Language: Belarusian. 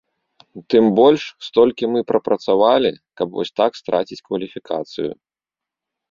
Тым больш столькі мы прапрацавалі, каб вось так страціць кваліфікацыю.